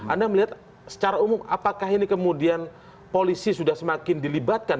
anda melihat secara umum apakah ini kemudian polisi sudah semakin dilibatkan